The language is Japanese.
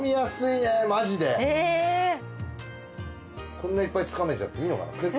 こんなにいっぱいつかめちゃっていいのかな？